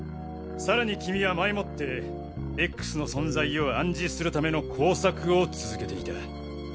さらにキミは前もってＸの存在を暗示するための工作を続けていた。